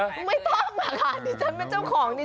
ไม่ต้องอะค่ะดิฉันเป็นเจ้าของนี่